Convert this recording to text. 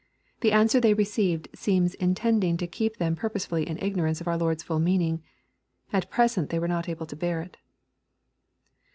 The answer they received seems intended to keep them purposely in ignorance of our Lord's full meaning. At present they were not able to bear it.